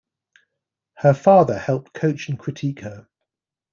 Her father helped coach and critique her.